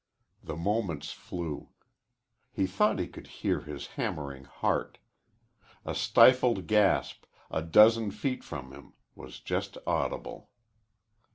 The moments flew. He thought he could hear his hammering heart. A stifled gasp, a dozen feet from him, was just audible.